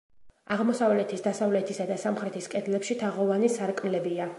აღმოსავლეთის, დასავლეთისა და სამხრეთის კედლებში თაღოვანი სარკმლებია.